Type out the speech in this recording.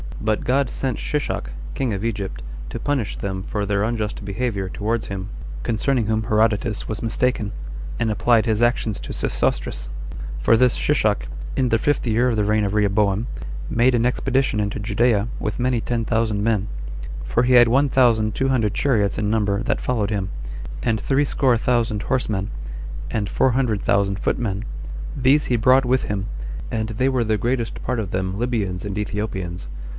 But God sent Shishak, king of Egypt, to punish them for their unjust behavior towards him, concerning whom Herodotus was mistaken, and applied his actions to Sesostris; for this Shishak, 26 in the fifth year of the reign of Rehoboam, made an expedition [into Judea] with many ten thousand men; for he had one thousand two hundred chariots in number that followed him, and threescore thousand horsemen, and four hundred thousand footmen. These he brought with him, and they were the greatest part of them Libyans and Ethiopians.